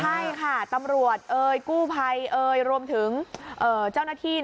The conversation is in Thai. ใช่ค่ะตำรวจเอ่ยกู้ภัยเอ่ยรวมถึงเจ้าหน้าที่